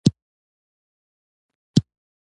غوښتل یې نوي اصلاحات سملاسي پلي شي.